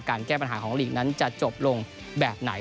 แก้ปัญหาของลีกนั้นจะจบลงแบบไหน